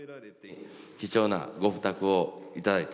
貴重なご負託を頂いた。